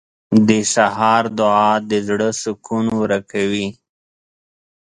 • د سهار دعا د زړه سکون ورکوي.